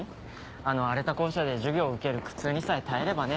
あの荒れた校舎で授業を受ける苦痛にさえ耐えればね。